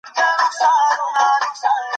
ایا تاسو د ګنډلو ماشینونه لرئ؟